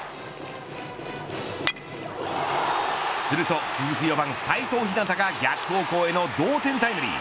すると続く４番、齋藤陽が逆方向への同点タイムリー。